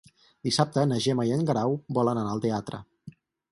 Dissabte na Gemma i en Guerau volen anar al teatre.